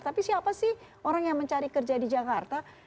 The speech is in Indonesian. tapi siapa sih orang yang mencari kerja di jakarta